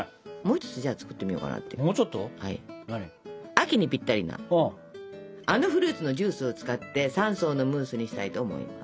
秋にぴったりなあのフルーツのジュースを使って３層のムースにしたいと思います。